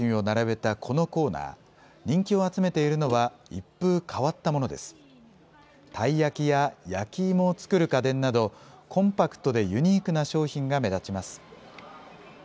たい焼きや焼き芋を作る家電など、コンパクトでユニークな商品が目立ちます。